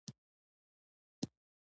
غوا د سړې هوا سره ښه عیارېږي.